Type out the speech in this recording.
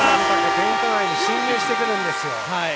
ペイントエリア内に進入してくるんですよ。